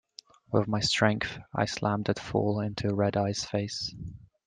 With my strength I slammed it full into Red-Eye's face.